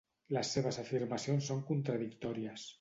Les seves afirmacions són contradictòries.